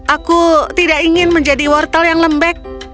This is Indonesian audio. aku tidak ingin menjadi wortel yang lembek